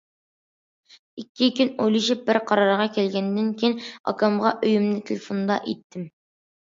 ئىككى كۈن ئويلىشىپ بىر قارارغا كەلگەندىن كېيىن ئاكامغا ئويۇمنى تېلېفوندا ئېيتتىم.